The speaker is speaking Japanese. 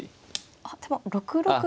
あっでも６六角。